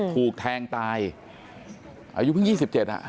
ถูกแทงตายอายุเพิ่ง๒๗อ่ะ